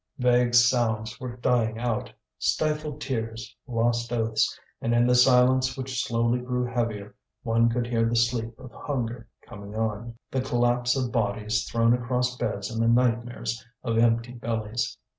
Vague sounds were dying out, stifled tears, lost oaths; and in the silence which slowly grew heavier one could hear the sleep of hunger coming on, the collapse of bodies thrown across beds in the nightmares of empty bellies.